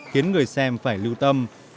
khiến người xem phải lưu tâm